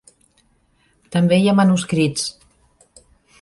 També hi ha manuscrits.